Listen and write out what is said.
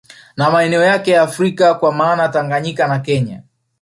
Na maeneo yake ya Afrika kwa maana ya Tanganyika na Kenya